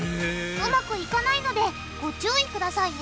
うまくいかないのでご注意くださいね！